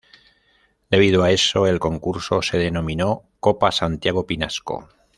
Debido a eso, el concurso se denominó Copa Santiago Pinasco.